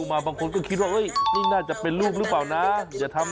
มาบางคนก็คิดว่านี่น่าจะเป็นลูกรึเปล่านะ